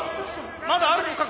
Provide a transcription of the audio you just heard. まだあるのか？